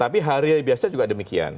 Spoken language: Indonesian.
tapi hari biasa juga demikian